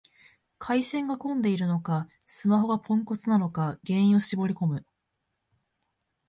回線が混んでるのか、スマホがポンコツなのか原因を絞りこむ